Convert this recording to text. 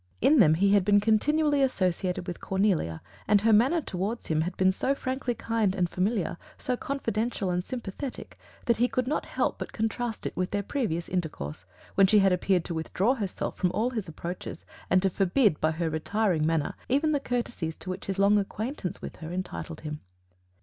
In them he had been continually associated with Cornelia, and her manner towards him had been so frankly kind and familiar, so confidential and sympathetic, that he could not help but contrast it with their previous intercourse, when she had appeared to withdraw herself from all his approaches and to forbid by her retiring manner even the courtesies to which his long acquaintance with her entitled him.